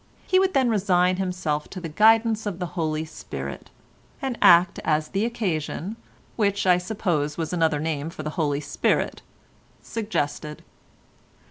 He would then resign himself to the guidance of the Holy Spirit, and act as the occasion, which, I suppose, was another name for the Holy Spirit, suggested.